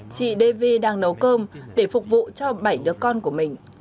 chị davi đang nấu cơm để phục vụ cho bảy đứa con của mình